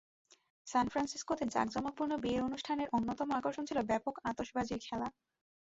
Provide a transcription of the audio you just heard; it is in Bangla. সান ফ্রান্সিসকোতে জাঁকজমকপূর্ণ বিয়ের অনুষ্ঠানের অন্যতম আকর্ষণ ছিল ব্যাপক আতশবাজির খেলা।